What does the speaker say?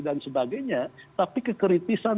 dan sebagainya tapi kekritisan